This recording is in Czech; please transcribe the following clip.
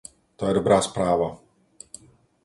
To je dobrá zpráva.